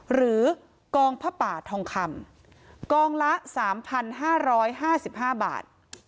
หรือกองผ้าป่าทองคำกองละ๓๕๕บาท